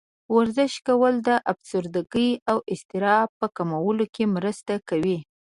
ورزش کول د افسردګۍ او اضطراب په کمولو کې مرسته کوي.